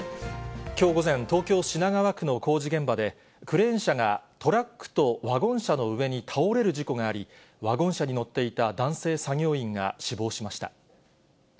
きょう午前、東京・品川区の工事現場で、クレーン車がトラックとワゴン車の上に倒れる事故があり、ワゴン車に乗っていた男性作業員が死亡しました。